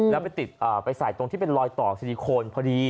แล้วไปติดไปใส่ตรงที่เป็นรอยต่อซิลิโคนพอดี